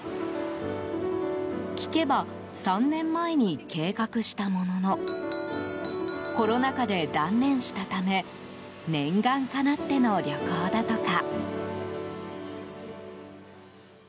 聞けば、３年前に計画したもののコロナ禍で断念したため念願かなっての旅行だとか。